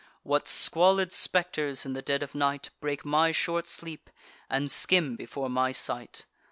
What squalid spectres, in the dead of night, Break my short sleep, and skim before my sight!